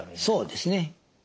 そうですね。